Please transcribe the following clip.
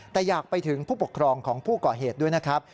แต่อยากไปถึงผู้ปกครองของผู้ก่อเหตุด้วยนะครับ